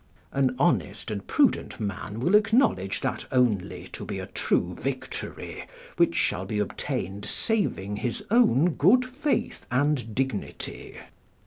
["An honest and prudent man will acknowledge that only to be a true victory which shall be obtained saving his own good faith and dignity."